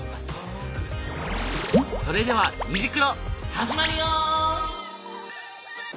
それでは「虹クロ」始まるよ！